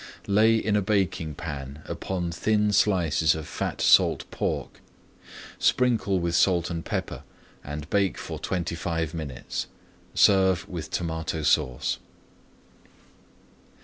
Lay in a baking pan upon thin slices of fat salt pork, sprinkle with salt and pepper, and bake for twenty five minutes. Serve with Tomato Sauce.